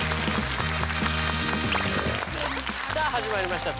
さあ始まりました